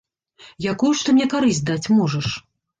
Якую ж ты мне карысць даць можаш?